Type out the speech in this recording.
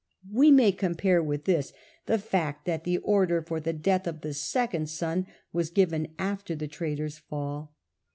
We may compare with this the fact that the order for the death of the second son was given after the traitor^s fall.